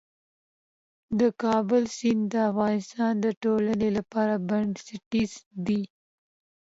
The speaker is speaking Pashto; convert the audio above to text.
د کابل سیند د افغانستان د ټولنې لپاره بنسټيز دی.